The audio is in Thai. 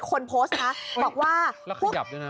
คนโพสต์นะบอกว่าแล้วขยับด้วยนะ